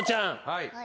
はい。